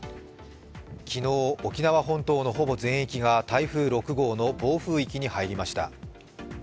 昨日、沖縄本島のほぼ全域が台風６号の暴風域に入りました。